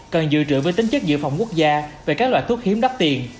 cần dự trữ với tính chất dự phòng quốc gia về các loại thuốc hiếm đắt tiền